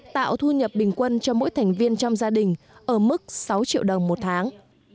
tạo thu nhập bình quân cho mỗi thành viên trong gia đình ở mức sáu triệu đồng một tháng